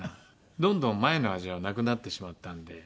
どんどん前の味はなくなってしまったんで。